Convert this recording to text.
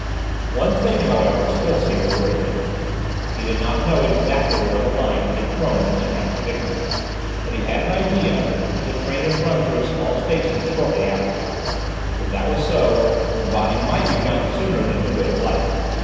One thing, however, still seemed to worry him: he did not know exactly where on the line he had thrown his unhappy victim, but he had an idea that the train had run through a small station shortly afterwards; if that was so, the body might be found sooner than he would have liked.